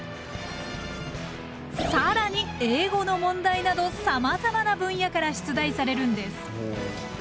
更に英語の問題などさまざまな分野から出題されるんです。